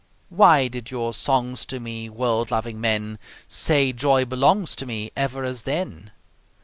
Why did your songs to me, World loving men, Say joy belongs to me Ever as then?